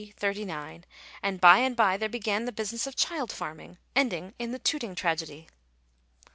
39 ; and by and by there began the business of child farming, ending in the Tooting tragedy.